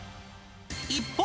一方。